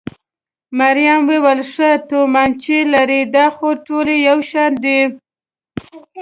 مريم وویل: ښې تومانچې لرئ؟ دا خو ټولې یو شان دي.